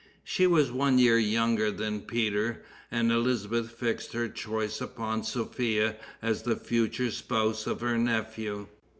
She was one year younger than Peter, and Elizabeth fixed her choice upon Sophia as the future spouse of her nephew.